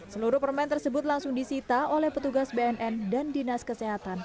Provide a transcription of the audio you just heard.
seluruh permen tersebut langsung disita oleh petugas bnn dan dinas kesehatan